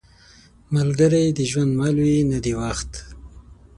ملګری د ژوند مل وي، نه د وخت.